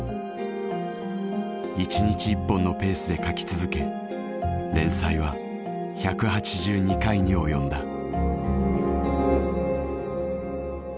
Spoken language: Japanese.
１日１本のペースで書き続け連載は１８２回に及んだ。